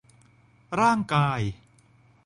ร่างกาย